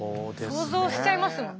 想像しちゃいますもんね。